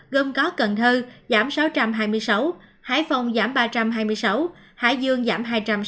gồm có cần thơ giảm sáu trăm hai mươi sáu hải phòng giảm ba trăm hai mươi sáu hải dương giảm hai trăm sáu mươi tám